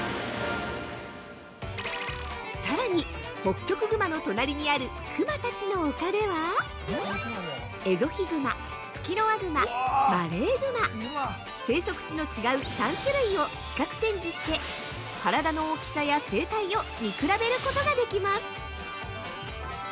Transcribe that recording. さらに、ホッキョクグマの隣にある、クマたちの丘ではエゾヒグマ、ツキノワグママレーグマ生息地の違う３種類を比較展示して体の大きさや生態を見比べることができます。